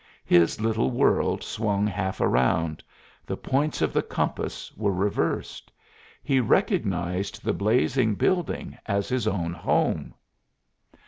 His little world swung half around; the points of the compass were reversed. He recognized the blazing building as his own home!